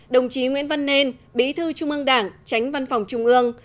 đồng chí nguyễn văn nên bí thư trung ương đảng tránh văn phòng trung ương